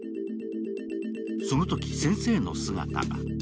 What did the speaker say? そのとき、先生の姿が。